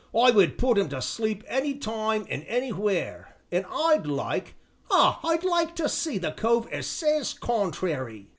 I could put 'im to sleep any time an' anywhere, an' I'd like ah! I'd like to see the chap as says contrairy!"